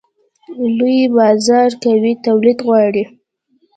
لوی بازار قوي تولید غواړي.